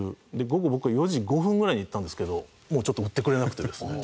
午後僕４時５分ぐらいに行ったんですけどもうちょっと売ってくれなくてですね。